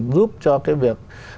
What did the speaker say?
giúp cho cái việc